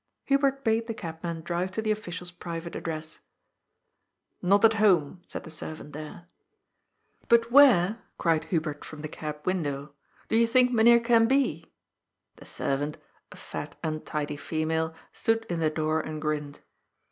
Hubert bade the cabman drive to the official's private address. ^ Not at home,'* said the servant there. " But where," cried Hubert from the cab window, " do you think Mynheer can be ?" The servant — a fat, untidy female — stood in the door and grinned.